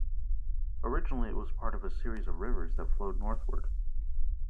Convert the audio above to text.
Originally it was a part of a series of rivers that flowed northward.